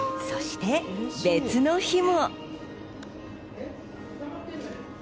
そして別の日も。